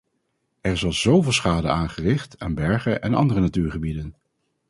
Er is al zoveel schade aangericht aan bergen en andere natuurgebieden.